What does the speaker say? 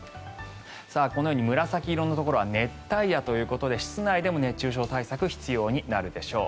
このように紫色のところは熱帯夜ということで室内でも熱中症対策が必要になるでしょう。